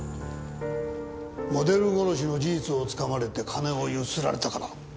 モデル殺しの事実をつかまれて金をゆすられたから。